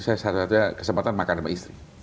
saya sadar saja kesempatan makan sama istri